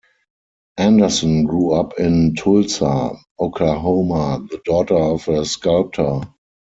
Anderson grew up in Tulsa, Oklahoma, the daughter of a sculptor.